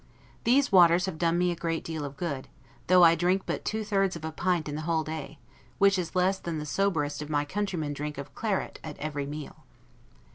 These waters have done me a great deal of good, though I drink but two thirds of a pint in the whole day, which is less than the soberest of my countrymen drink of claret at every meal.